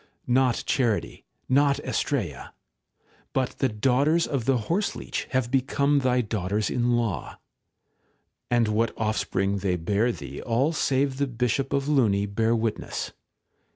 Not charity, not Astraea, but the daughters of the horseleech have become thy daughters in law. And what offspring they bear thee all save the Bishop of Luni bear witness.